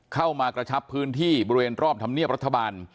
กระชับพื้นที่บริเวณรอบธรรมเนียบรัฐบาล